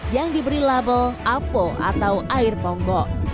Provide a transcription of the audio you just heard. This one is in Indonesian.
yang diberi label apo atau air bonggok